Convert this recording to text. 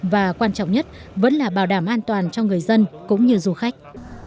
và quan trọng nhất vẫn là bảo đảm an toàn cho người dân cũng như du khách